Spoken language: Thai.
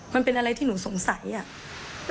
มันเป็นอะไรที่หนูสงสัยอ่ะ